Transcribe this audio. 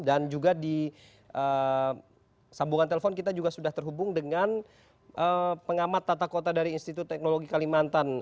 juga di sambungan telepon kita juga sudah terhubung dengan pengamat tata kota dari institut teknologi kalimantan